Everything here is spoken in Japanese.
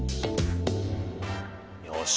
よし。